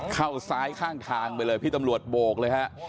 เข้าซ้ายข้างทางไปเลยพี่ตำรวจโบกเลยฮะ